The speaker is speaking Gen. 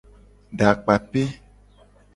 Dakpape.